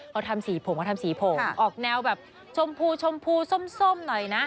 เขาทำสีผมเขาทำสีผมออกแนวแบบชมพูชมพูส้มหน่อยนะ